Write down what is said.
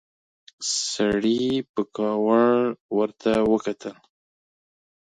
سړي په کاوړ ورته وکتل.